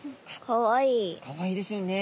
かわいいですよね。